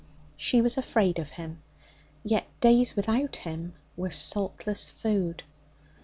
She was afraid of him, yet days without him were saltless food.